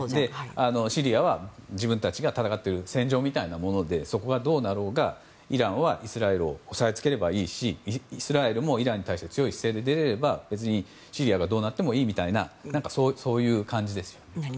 シリアは自分たちが戦っている戦場みたいなものでそこがどうなろうがイランはイスラエルを押さえつければいいしイスラエルもイランに対して強い姿勢で出られれば別に、シリアがどうなってもいいみたいなそういう感じです。